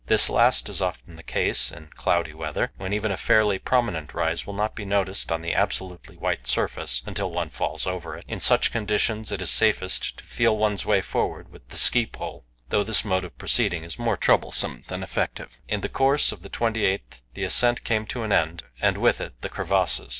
This last is often the case in cloudy weather, when even a fairly prominent rise will not be noticed on the absolutely white surface until one falls over it. In such conditions it is safest to feel one's way forward with the ski pole; though this mode of proceeding is more troublesome than effective. In the course of the 28th the ascent came to an end, and with it the crevasses.